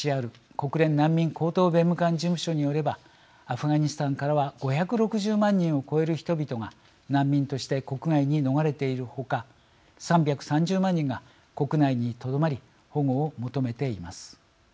国連難民高等弁務官事務所によればアフガニスタンからは５６０万人を超える人々が難民として国外に逃れているほか３３０万人が国内にとどまり保護を求めています。